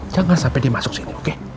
jangan sampai dia masuk sini oke